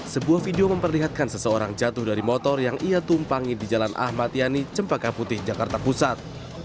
sebuah video memperlihatkan seseorang jatuh dari motor yang ia tumpangi di jalan ahmad yani cempaka putih jakarta pusat